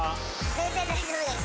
全然大丈夫です。